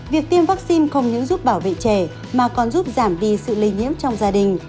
việc tiêm vaccine không những giúp bảo vệ trẻ mà còn giúp giảm đi sự lây nhiễm trong gia đình